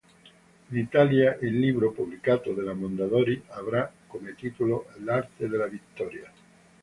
In Italia il libro, pubblicato dalla Mondadori, avrà come titolo "L'arte della vittoria".